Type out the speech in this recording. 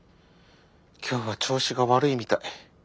今日は調子が悪いみたい。